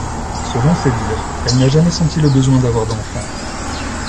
Selon ses dires, elle n'a jamais senti le besoin d'avoir d'enfant.